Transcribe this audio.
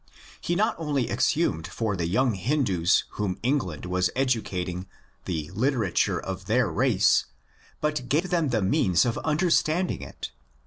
He not only exhumed for the young Hindus whom England was educating the literature of their race, but gave them the means of understanding it.